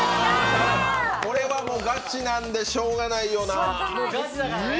これはもう、ガチなんでしようがないよねえ。